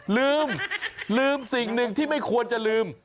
ลืมลืมสิ่งหนึ่งที่ไม่ควรจะลืม